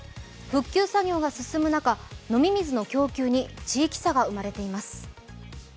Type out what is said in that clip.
復旧作業が進む中、飲み水の供給に地域差が生まれています。